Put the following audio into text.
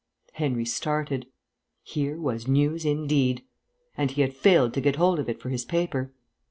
Henry started. Here was news indeed. And he had failed to get hold of it for his paper.